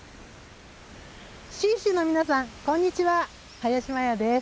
信州の皆さんこんにちは林マヤです。